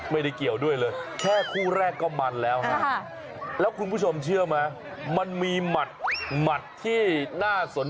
เมื่อไหร่อยากให้เป็นกรรมการ